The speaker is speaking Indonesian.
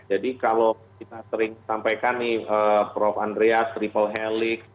jadi kalau kita sering sampaikan nih prof andreas triple helix